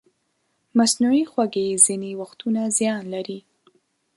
مصنوعي خوږې ځینې وختونه زیان لري.